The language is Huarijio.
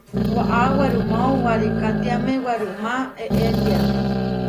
Waʼá werumáo warikátiame werumá eʼétia.